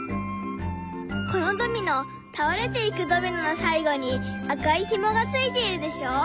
このドミノ倒れていくドミノの最後に赤いひもがついているでしょ。